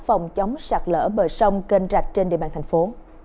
phòng chống sạt lỡ bờ sông kênh rạch trên địa bàn thành phố